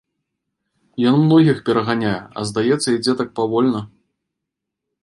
Ён многіх пераганяе, а здаецца ідзе так павольна.